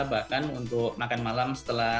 bahkan untuk makan malam setelah